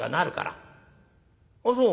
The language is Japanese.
「あっそう。